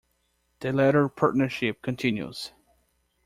The latter partnership continues.